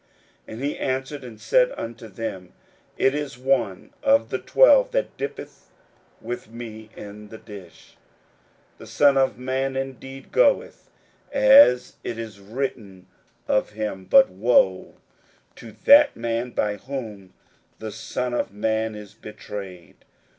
41:014:020 And he answered and said unto them, It is one of the twelve, that dippeth with me in the dish. 41:014:021 The Son of man indeed goeth, as it is written of him: but woe to that man by whom the Son of man is betrayed!